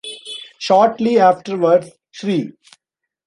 Shortly afterwards Shri.